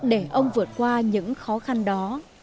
để ông vượt qua những khó khăn đó